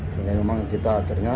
sehingga memang kita akhirnya